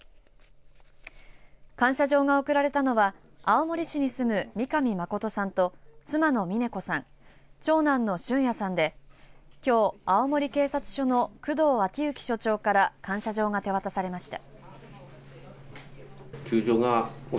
感謝状が贈られたのは青森市に住む三上誠さんと妻の峰子さん長男の俊也さんできょう青森警察署の工藤昭幸署長から感謝状が手渡されました。